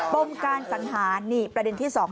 ปมการสังหารนี่ประเด็นที่๒